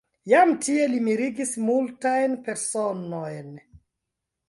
Jam tie li mirigis multajn personojn.